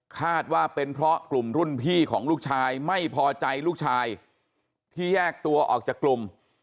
คาดว่าเป็นเพราะกลุ่มรุ่นพี่ของลูกชายไม่พอใจลูกชายที่แยกตัวออกจากกลุ่ม